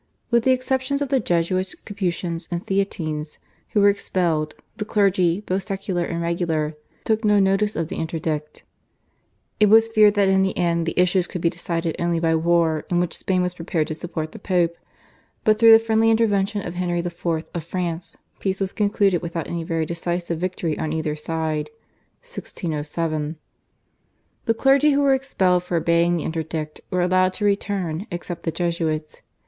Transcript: With the exception of the Jesuits, Capuchins, and Theatines who were expelled, the clergy both secular and regular took no notice of the interdict. It was feared that in the end the issues could be decided only by war in which Spain was prepared to support the Pope, but through the friendly intervention of Henry IV. of France peace was concluded without any very decisive victory on either side (1607). The clergy who were expelled for obeying the interdict were allowed to return except the Jesuits.